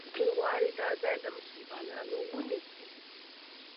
دوی غواړي دا ځای له مسلمانانو ونیسي.